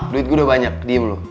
duit gue udah banyak diem loh